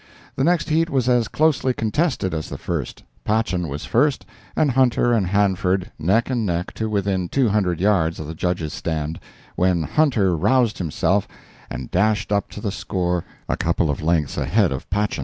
The next heat was as closely contested as the first; "Patchen" was first, and "Hunter" and "Hanford" neck and neck to within two hundred yards of the Judges' stand, when "Hunter" roused himself and dashed up to the score a couple of lengths ahead of "Patchen."